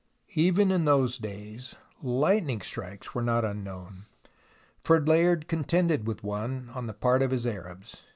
Even in those days lightning strikes were not unknown, for Layard contended with one on the part of his Arabs.